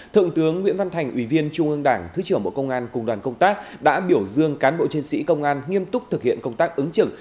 thượng tướng nguyễn văn thành ủy viên trung ương đảng thứ trưởng bộ công an cùng đoàn công tác đã biểu dương cán bộ chiến sĩ công an nghiêm túc thực hiện công tác ứng trực